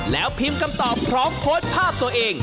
แล้วพิมพ์คำตอบพร้อมโพสต์ภาพตัวเอง